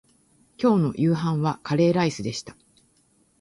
今日の夕飯はカレーライスでした